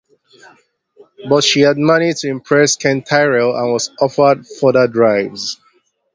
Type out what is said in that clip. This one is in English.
But, she had managed to impress Ken Tyrrell, and was offered further drives.